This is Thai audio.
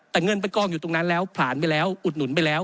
แต่เงินไปกองอยู่ตรงนั้นแล้วผลาญไปแล้วอุดหนุนไปแล้ว